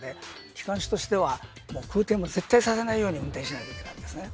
機関士としては空転を絶対させないように運転しないといけないんですね。